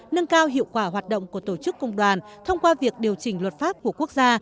nâng cao hiệu quả hoạt động của tổ chức công đoàn thông qua việc điều chỉnh luật pháp của quốc gia